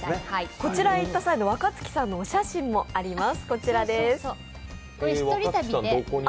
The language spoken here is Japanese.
こちら行った際の若槻さんのお写真もあります。